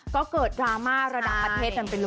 ก็เกิดดราม่าระดับประเทศกันไปเลย